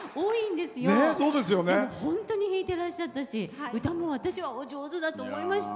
でも、本当に弾いてらっしゃったし歌も私はお上手だと思いました。